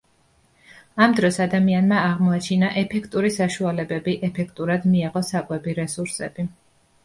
ამ დროს ადამიანმა აღმოაჩინა ეფექტური საშუალებები ეფექტურად მიეღო საკვები რესურსები.